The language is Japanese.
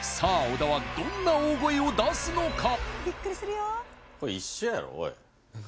小田はどんな大声を出すのか？